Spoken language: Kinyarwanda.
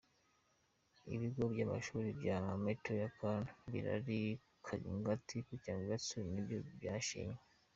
Ibigo by’amashuri bya Mathoya, Kalau, Mbilali, Kalingati, na kyavitsutsu nabyo byashenywe.